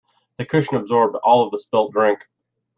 The cushion absorbed all of the spilt drink.